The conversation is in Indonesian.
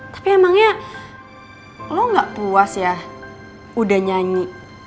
tapi emangnya lo gak puas ya udah nyanyi